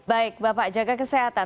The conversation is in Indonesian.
baik bapak jaga kesehatan